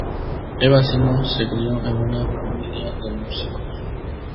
Eva Simons se crio en una familia de músicos.